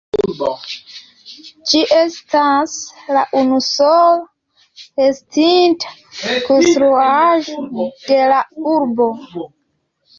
Ĝi estas la unusola restinta konstruaĵo de la urbo.